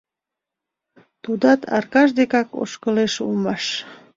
Тудат Аркаш декак ошкылеш улмаш.